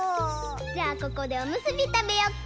じゃあここでおむすびたべよっか？